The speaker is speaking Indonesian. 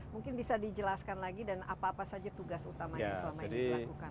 mungkin bisa dijelaskan lagi dan apa apa saja tugas utamanya selama ini dilakukan